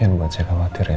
ain buat saya khawatir ya